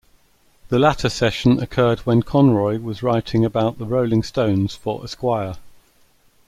The latter session occurred when Conroy was writing about the Rolling Stones for "Esquire".